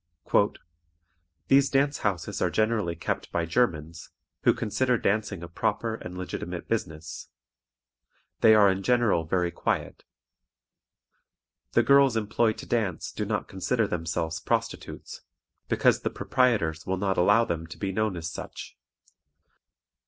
"These dance houses are generally kept by Germans, who consider dancing a proper and legitimate business. They are in general very quiet. The girls employed to dance do not consider themselves prostitutes, because the proprietors will not allow them to be known as such.